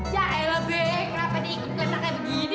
ya allah beh kenapa diikuti keren kayak begini